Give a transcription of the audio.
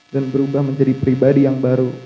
dan berubah menjadi pribadi yang baru